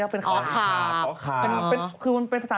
อย่างเหมือยหัวก็แปลว่า